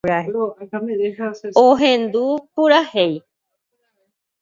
Ohendu purahéi.